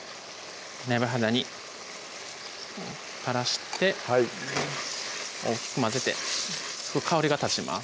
鍋肌に垂らしてはい大きく混ぜて香りが立ちます